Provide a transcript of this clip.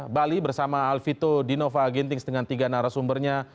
kita kembali ke bali bersama alvito dinova gintings dengan tiga narasumbernya